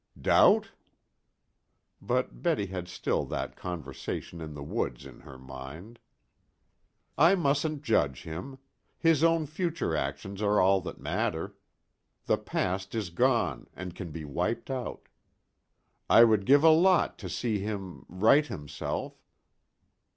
"Doubt?" But Betty still had that conversation in the woods in her mind. "I mustn't judge him. His own future actions are all that matter. The past is gone, and can be wiped out. I would give a lot to see him right himself."